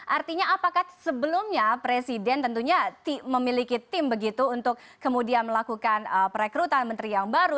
artinya apakah sebelumnya presiden tentunya memiliki tim begitu untuk kemudian melakukan perekrutan menteri yang baru